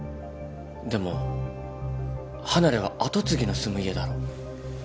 でも離れは跡継ぎの住む家だろ？